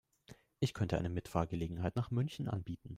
Ich könnte eine Mitfahrgelegenheit nach München anbieten